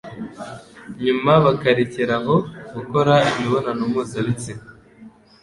nyuma bakarekeraho gukora imibonano mpuzabitsina,